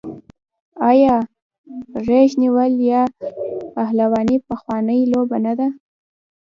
آیا غیږ نیول یا پهلواني پخوانۍ لوبه نه ده؟